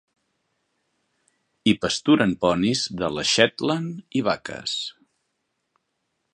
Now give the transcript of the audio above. Hi pasturen ponis de les Shetland i vaques.